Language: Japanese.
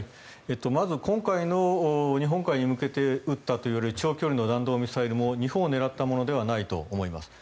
まず、今回の日本海に向けて撃ったといわれる長距離の弾道ミサイルも日本を狙ったものではないと思います。